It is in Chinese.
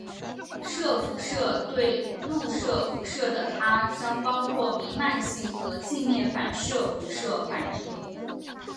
射辐射对入射辐射的它将包括弥漫性和镜面反射辐射反映。